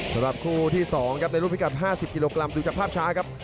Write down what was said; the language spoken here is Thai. สำหรับคู่ที่๒ครับในรูปพิกัด๕๐กิโลกรัมดูจากภาพช้าครับ